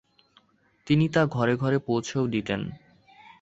তিনি তা ঘরে ঘরে পৌঁছেও দিতেন।